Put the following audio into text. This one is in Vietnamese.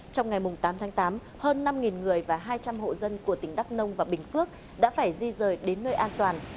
trong ngày tám tháng tám hơn năm người và hai trăm linh hộ dân của tỉnh đắk nông và bình phước đã phải di rời đến nơi an toàn